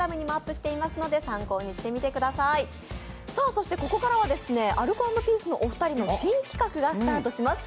そしてここからはアルコ＆ピースのお二人の新企画がスタートします。